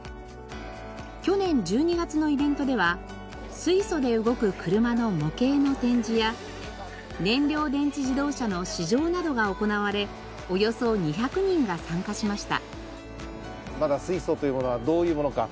去年１２月のイベントでは水素で動く車の模型の展示や燃料電池自動車の試乗などが行われおよそ２００人が参加しました。